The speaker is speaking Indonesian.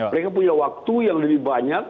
mereka punya waktu yang lebih banyak